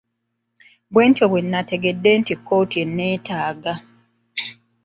Bwentyo bwe nategedde nti kkooti enneetaaga.